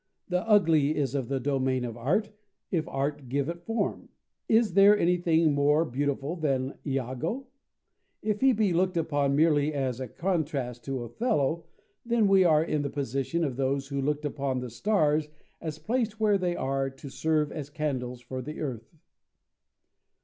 The ugly is of the domain of art, if art give it form. Is there anything more beautiful than Iago? If he be looked upon merely as a contrast to Othello, then we are in the position of those who looked upon the stars as placed where they are to serve as candles for the earth.